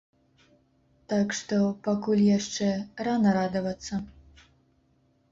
Так што пакуль яшчэ рана радавацца.